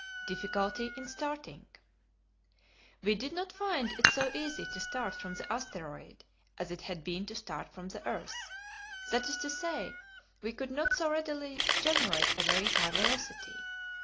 Difficulty in Starting. We did not find it so easy to start from the asteroid as it had been to start from the earth; that is to say, we could not so readily generate a very high velocity.